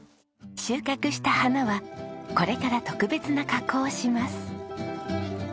収穫した花はこれから特別な加工をします。